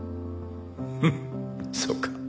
フッそうか。